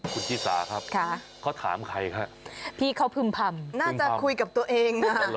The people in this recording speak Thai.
คุณชิสาครับเขาถามใครฮะพี่เขาพึ่มพำน่าจะคุยกับตัวเองนะฮะ